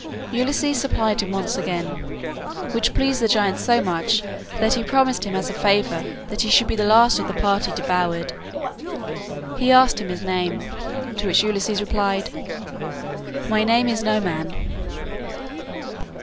Ulysses supplied him once again, which pleased the giant so much that he promised him as a favor that he should be the last of the party devoured. He asked his name, to which Ulysses replied, "My name is Noman."